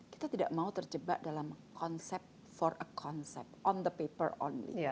kita tidak mau terjebak dalam konsep for a concept on the paper only